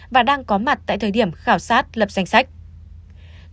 và đang có mặt tại thời điểm khảo sát lập danh sách